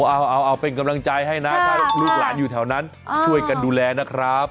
เอาเป็นกำลังใจให้นะถ้าลูกหลานอยู่แถวนั้นช่วยกันดูแลนะครับ